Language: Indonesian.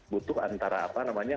butuh antara apa namanya